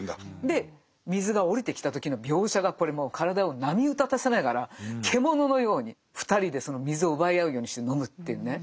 で水が下りてきた時の描写がこれもう体を波打たたせながら獣のように２人でその水を奪い合うようにして飲むっていうね。